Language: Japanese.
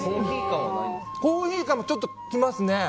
コーヒー感もちょっと来ますね。